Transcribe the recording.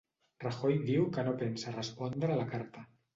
Rajoy diu que no pensa respondre la carta